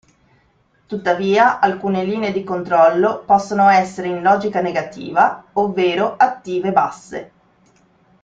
Tuttavia alcune linee di controllo possono essere in "logica negativa", ovvero "attive-basse".